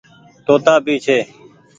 توتآ ڀي ڇي۔